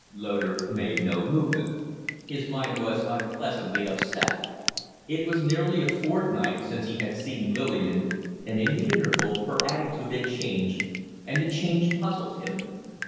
Loder made no movement. His mind was unpleasantly upset. It was nearly a fortnight since he had seen Lillian, and in the interval her attitude had changed, and the change puzzled him.